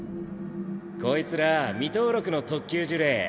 こいつら未登録の特級呪霊。